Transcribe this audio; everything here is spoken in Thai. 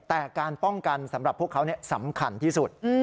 แต่การป้องกันสำหรับพวกเขาสำคัญที่สุด